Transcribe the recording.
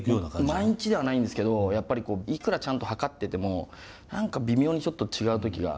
毎日ではないんですけどやっぱりこういくらちゃんと量ってても何か微妙にちょっと違う時が。